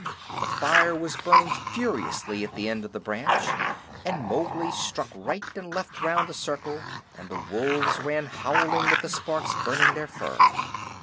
The fire was burning furiously at the end of the branch, and Mowgli struck right and left round the circle, and the wolves ran howling with the sparks burning their fur.